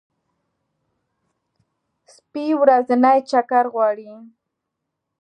سپي ورځنی چکر غواړي.